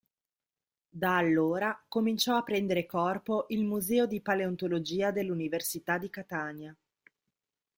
Da allora cominciò a prendere corpo il “Museo di Paleontologia” dell'Università di Catania.